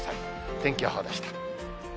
天気予報でした。